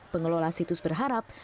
pengelola situs berharap